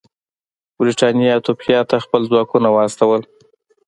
برېټانیا ایتوپیا ته خپل ځواکونه واستول.